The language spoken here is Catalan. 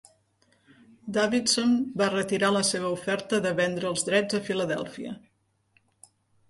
Davidson va retirar la seva oferta de vendre els drets a Filadèlfia.